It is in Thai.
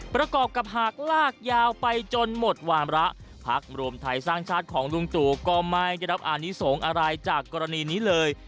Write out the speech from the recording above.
ประกอบกับหากลากยาวไปจนหมดวามระพักรวมไทยสร้างชาติของลุงตู่ก็ไม่ได้รับอานิสงฆ์อะไรจากกรณีนี้เลย